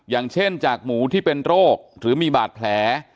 อย่างเช่นจากหมูที่เป็นโรคหรือมีบาดแผล